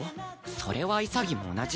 それは潔も同じっしょ？